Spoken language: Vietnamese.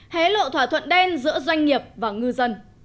hé lộ thỏa thuận đen giữa doanh nghiệp và ngư dân